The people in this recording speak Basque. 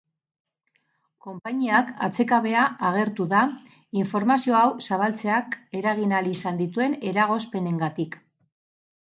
Konpainiak atsekabea agertu da informazio hau zabaltzeak eragin ahal izan dituen eragozpenengatik.